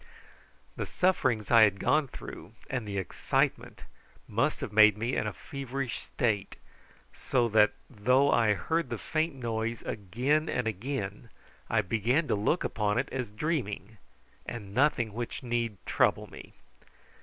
The sufferings I had gone through and the excitement must have made me in a feverish state, so that, though I heard the faint noise again and again, I began to look upon it as dreaming, and nothing which need trouble me.